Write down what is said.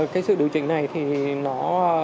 cái sự điều chỉnh này thì nó